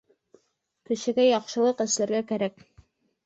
Кешегә яҡшылыҡ эшләргә кәрәк.